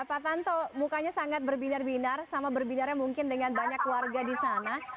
pak tanto mukanya sangat berbinar binar sama berbinarnya mungkin dengan banyak warga di sana